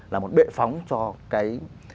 là một bệ phóng cho cái